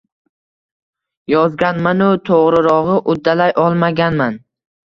– Yozganman-u, to‘g‘rirog‘i, uddalay olmaganman.